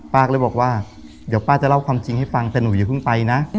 ป้าก็เลยบอกว่าเดี๋ยวป้าจะเล่าความจริงให้ฟังแต่หนูอย่าเพิ่งไปนะ